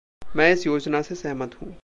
मैं इस योजना से सहमत हूँ।